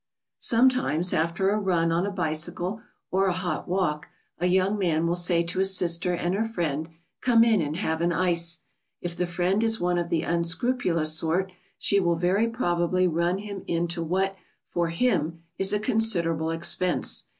] Sometimes after a run on a bicycle or a hot walk, a young man will say to his sister and her friend, "Come in and have an ice." If the friend is one of the unscrupulous sort, she will very probably run him into what, for him, is a considerable expense.